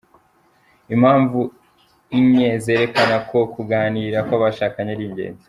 Impamvu Inye zerekana ko kuganira kw’abashakanye ari ingenzi